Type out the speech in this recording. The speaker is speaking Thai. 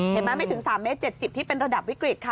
เห็นไหมไม่ถึงสามเมตรเจ็ดสิบที่เป็นระดับวิกฤตค่ะ